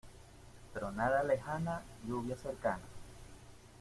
Tronada lejana, lluvia cercana.